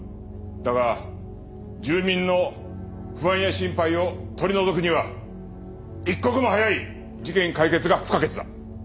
だが住民の不安や心配を取り除くには一刻も早い事件解決が不可欠だ。